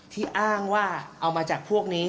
ที่อ้างว่าเอามาจากพวกนี้